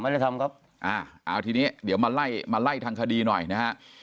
ไม่ได้ทำครับอ่าเอาทีนี้เดี๋ยวมาไล่มาไล่ทางคดีหน่อยนะฮะ